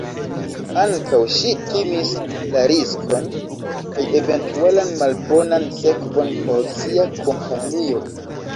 Ankaŭ ŝi timis la riskon kaj eventualan malbonan sekvon por sia kompanio.